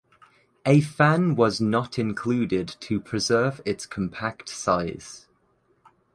A fan was not included to preserve its compact size.